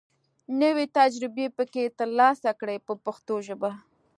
نوې تجربې پکې تر لاسه کړي په پښتو ژبه.